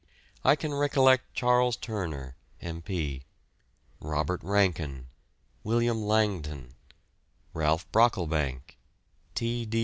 I can recollect Charles Turner, M.P., Robert Rankin, William Langton, Ralph Brocklebank, T. D.